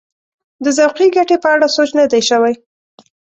د ذوقي ګټې په اړه سوچ نه دی شوی.